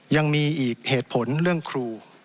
ยังมีอีกเหตุผลเรื่องครู